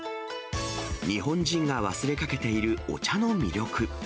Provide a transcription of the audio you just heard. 日本人が忘れかけているお茶の魅力。